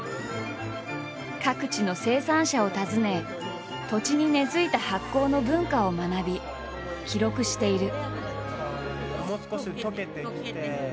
各地の生産者を訪ね土地に根づいた発酵の文化を学び記録している。